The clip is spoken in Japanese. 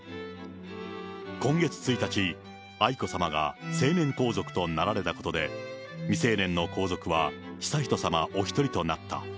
今月１日、愛子さまが成年皇族となられたことで、未成年の皇族は悠仁さまお一人となった。